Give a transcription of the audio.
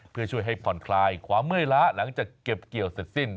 เพื่อช่วยให้ผ่อนคลายความเมื่อยล้าหลังจากเก็บเกี่ยวเสร็จสิ้น